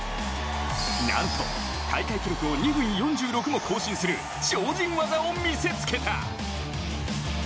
なんと大会記録を２分４６も更新する超人技を見せつけた！